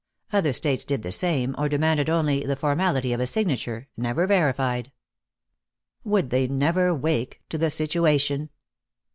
Other states did the same, or demanded only the formality of a signature, never verified. Would they never wake to the situation?